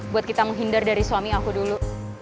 buat kita menghindar dari suami aku dulu